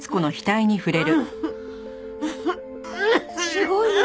すごい熱！